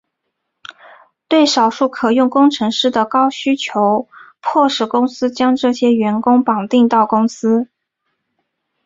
对少数可用工程师的高需求迫使公司将这些员工绑定到公司。